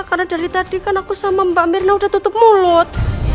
karena dari tadi kan aku sama mbak mirna udah tutup mulut